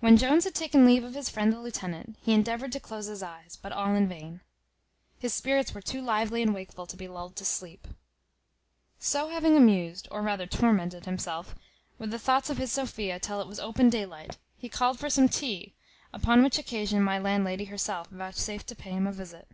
When Jones had taken leave of his friend the lieutenant, he endeavoured to close his eyes, but all in vain; his spirits were too lively and wakeful to be lulled to sleep. So having amused, or rather tormented, himself with the thoughts of his Sophia till it was open daylight, he called for some tea; upon which occasion my landlady herself vouchsafed to pay him a visit.